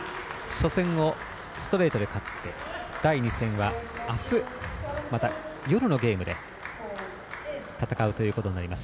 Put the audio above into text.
初戦をストレートで勝って第２戦は、あすまた夜のゲームで戦うということになります